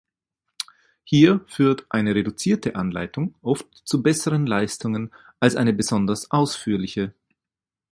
Hier führt eine reduzierte Anleitung oft zu besseren Leistungen als eine besonders ausführliche.